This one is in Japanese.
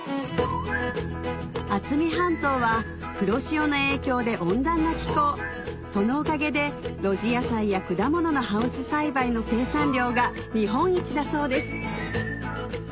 渥美半島は黒潮の影響で温暖な気候そのおかげで露地野菜や果物のハウス栽培の生産量が日本一だそうです